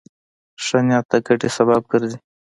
ښه نیت د ګټې سبب ګرځي.